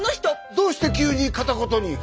どうして急に片言に。